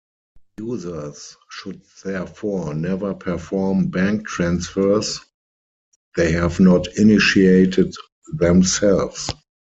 Users should therefore never perform bank transfers they have not initiated themselves.